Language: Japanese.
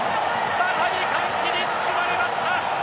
まさに歓喜に包まれました。